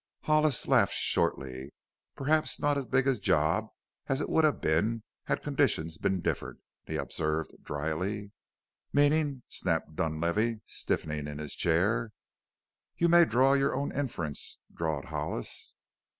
Hollis laughed shortly. "Perhaps not as big a job as it would have been had conditions been different," he observed dryly. "Meaning?" snapped Dunlavey, stiffening in his chair. "You may draw your own inference," drawled Hollis.